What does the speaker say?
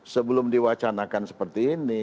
sebelum diwacanakan seperti ini